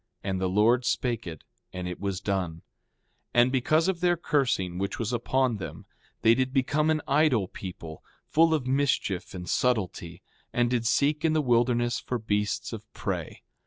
And the Lord spake it, and it was done. 5:24 And because of their cursing which was upon them they did become an idle people, full of mischief and subtlety, and did seek in the wilderness for beasts of prey.